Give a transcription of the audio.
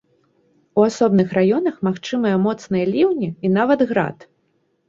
У асобных раёнах магчымыя моцныя ліўні і нават град.